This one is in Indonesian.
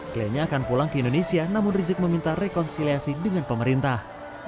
kliennya akan pulang ke indonesia namun rizik meminta rekonsiliasi dengan pemerintah